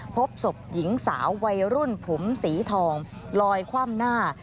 พบศพหญิงสาววัยรุ่นผมสีทองลอยคว่ำหน้า